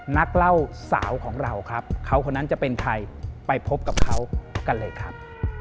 นักเล่าสาวของเราครับเขาคนนั้นจะเป็นใครไปพบกับเขากันเลยครับ